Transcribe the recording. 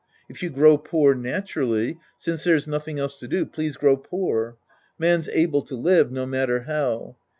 If you grow poor naturally, since there's nothing else to do, please grow poor. Man's able to live, no matter how.